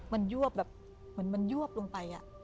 มันยวบแบบเหมือนมันยวบลงไป